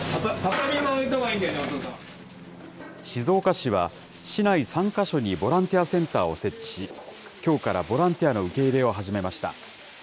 静岡市は、市内３か所にボランティアセンターを設置し、きょうからボランティアの受け入れを始めました。